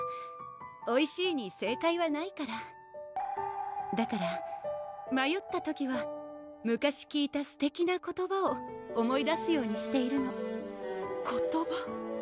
おいしいに正解はないからだからまよった時は昔聞いたすてきな言葉を思い出すようにしているの言葉？